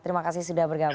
terima kasih sudah bergabung